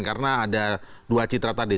karena ada dua citra tadi